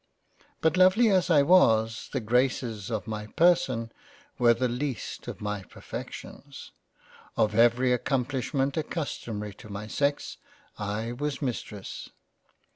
But lovely as I was the Graces of my Person were the least of my Perfections. Of every accomplishment accustomary to my sex, I was Mistress.